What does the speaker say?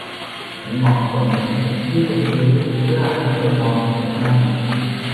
ฉันเหมาะสมที่จะซื้อเพื่อให้จำนองหรือไม่